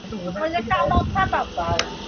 মুখ ছোট আকৃতির।